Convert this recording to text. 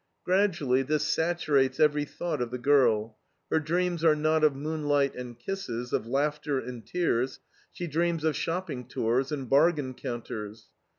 Gradually this saturates every thought of the girl; her dreams are not of moonlight and kisses, of laughter and tears; she dreams of shopping tours and bargain counters.